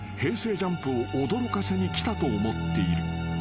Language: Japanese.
ＪＵＭＰを驚かせに来たと思っている］